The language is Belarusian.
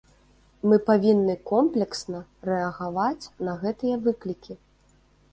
Мы павінны комплексна рэагаваць на гэтыя выклікі.